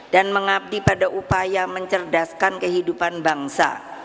dan mengabdi pada upaya mencerdaskan kehidupan bangsa